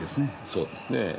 そうですねぇ。